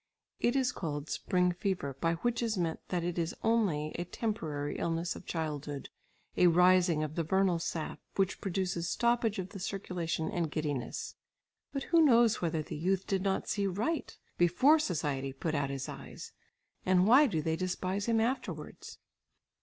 It is called "spring fever" by which is meant that it is only a temporary illness of childhood, a rising of the vernal sap, which produces stoppage of the circulation and giddiness. But who knows whether the youth did not see right before society put out his eyes? And why do they despise him afterwards?